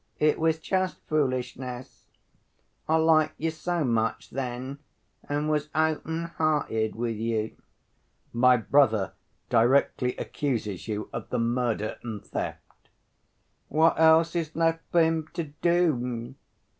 It was just foolishness. I liked you so much then, and was open‐hearted with you." "My brother directly accuses you of the murder and theft." "What else is left for him to do?"